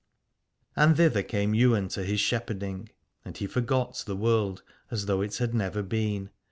And thither came Ywain to his shepherd ing and he forgot the world as though it had never been.